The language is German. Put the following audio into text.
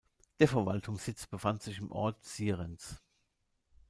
Der Verwaltungssitz befand sich im Ort Sierentz.